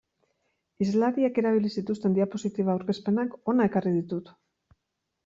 Hizlariek erabili zituzten diapositiba aurkezpenak hona ekarri ditut.